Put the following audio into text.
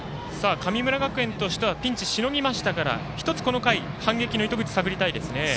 神村学園としてはピンチしのぎましたから１つ、この回反撃の糸口、探りたいですね。